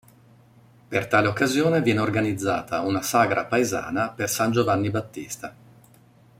Per tale occasione viene organizzata una sagra paesana per san Giovanni Battista.